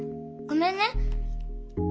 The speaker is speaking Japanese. ごめんね。